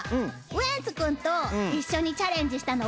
ウエンツ君と一緒にチャレンジしたの覚えてる？